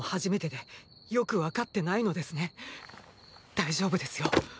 大丈夫ですよ。